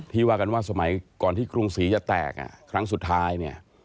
ว่ากันว่าสมัยก่อนที่กรุงศรีจะแตกครั้งสุดท้ายเนี่ย